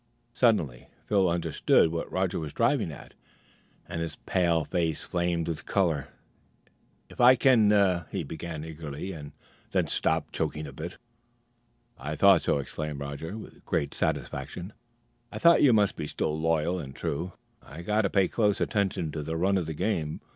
Suddenly Phil understood what Roger was driving at, and his pale face flamed with color. "If I can " he began eagerly, and then stopped, choking a bit. "I thought so!" exclaimed Roger, with great satisfaction; "I thought you must be still loyal and true. I've got to pay close attention to the run of the game.